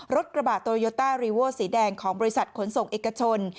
รถกระบะโตโยต้ารีโวสีแดงของบริษัทขนส่งเอกชน